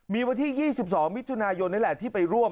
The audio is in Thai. มีวันที่๒๒มิถุนายนนี่แหละที่ไปร่วม